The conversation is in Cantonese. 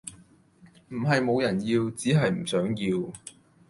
唔係無人要，只係唔想要